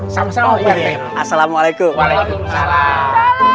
sama sama assalamualaikum waalaikumsalam